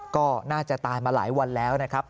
ก็น่าจะตายมาหลายวันแล้วนะครับ